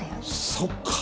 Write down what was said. そっか。